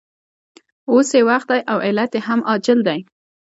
اوس یې وخت دی او علت یې هم عاجل دی